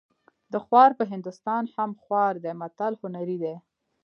د خوار په هندوستان هم خوار دی متل هنري دی